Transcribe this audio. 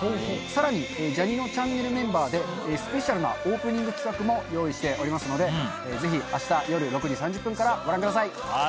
さらにジャにのちゃんねるメンバーでスペシャルなオープニング企画も用意しておりますのでぜひ明日夜６時３０分からご覧ください。